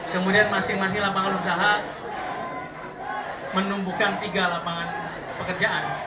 kemudian masing masing lapangan usaha menumbuhkan tiga lapangan pekerjaan